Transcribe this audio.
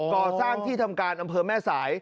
ก่อสร้างที่ทำการอำเภอแม่สาย